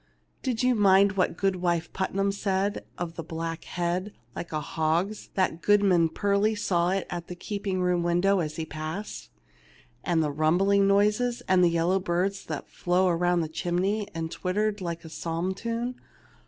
Did you mind what Good wife Putnam said of the black head, like a hog's, that Goodman Perley saw at the keeping room window as he passed, and the rumbling noises, and the yellow birds that flew around the chim ney and twittered in a psalm tune